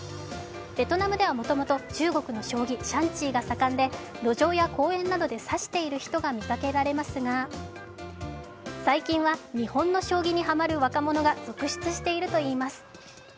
ベトナムではもともと中国の将棋・シャンチーが盛んで路上や公園などで指している人が見かけられますが、最近は日本の将棋にハマる若者が続出しているといいます。